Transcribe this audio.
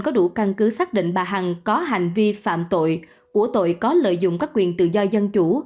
có đủ căn cứ xác định bà hằng có hành vi phạm tội của tội có lợi dụng các quyền tự do dân chủ